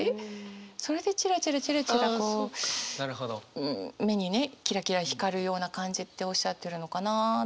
それで「ちらちらちらちら」こうん目にねキラキラ光るような感じっておっしゃってるのかなって。